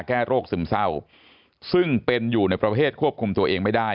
โรคซึมเศร้าซึ่งเป็นอยู่ในประเภทควบคุมตัวเองไม่ได้